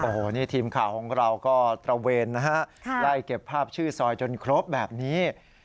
โอ้โหนี่ทีมข่าวของเราก็ตระเวนนะฮะไล่เก็บภาพชื่อซอยจนครบแบบนี้